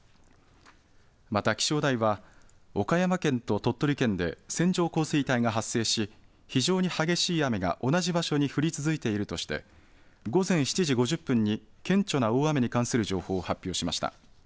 また気象台は岡山県と鳥取県で線状降水帯が発生し非常に激しい雨が同じ場所に降り続いているとして午前７時５０分に顕著な大雨に関する情報を発表しました。